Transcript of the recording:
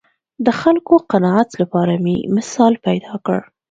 د خلکو قناعت لپاره مې مثال پیدا کړ